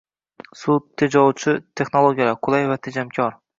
Suv tejovchi texnologiyalar: qulay va tejamkor